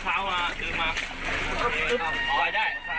พร้อมรับ